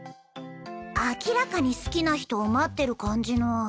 明らかに好きな人を待ってる感じの。